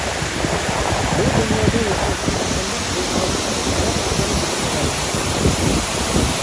بۇ دۇنيادا ياشاشنىڭ قانداق بولىدىغانلىقىنى سىلەر ئوبدان بىلىسىلەر.